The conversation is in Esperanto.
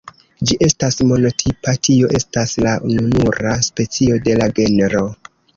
Ĝi estas monotipa, tio estas la ununura specio de la genro.